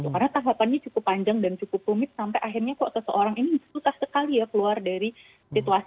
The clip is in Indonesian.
karena tahapannya cukup panjang dan cukup rumit sampai akhirnya kok seseorang ini susah sekali ya keluar dari situasi